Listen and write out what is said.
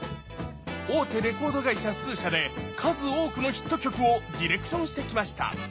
大手レコード会社数社で数多くのヒット曲をディレクションしてきました。